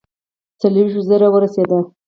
څلوېښتو زرو ورسېدی.